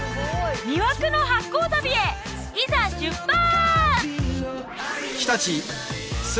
魅惑の発酵旅へいざ出発！